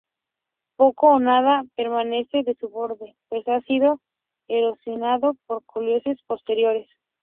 Poco o nada permanece de su borde, pues ha sido erosionado por colisiones posteriores.